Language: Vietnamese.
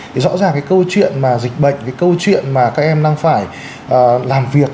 thì rõ ràng cái câu chuyện mà dịch bệnh cái câu chuyện mà các em đang phải làm việc